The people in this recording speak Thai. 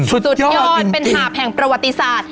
สุดยอดเป็นหาบแห่งประวัติศาสตร์